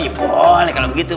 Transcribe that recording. iya boleh kalau begitu